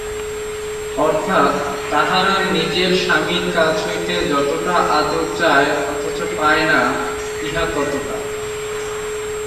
অর্থাৎ, তাহারা নিজের স্বামীর কাছ হইতে যতটা আদর চায় অথচ পায় না, ইহা ততটা।